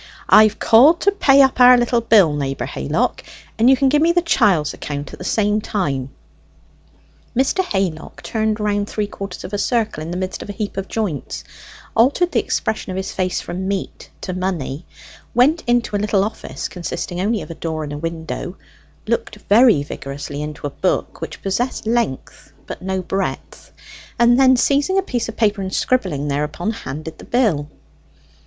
"I've called to pay up our little bill, Neighbour Haylock, and you can gie me the chiel's account at the same time." Mr. Haylock turned round three quarters of a circle in the midst of a heap of joints, altered the expression of his face from meat to money, went into a little office consisting only of a door and a window, looked very vigorously into a book which possessed length but no breadth; and then, seizing a piece of paper and scribbling thereupon, handed the bill.